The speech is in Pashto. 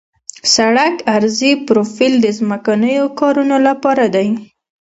د سړک عرضي پروفیل د ځمکنیو کارونو لپاره دی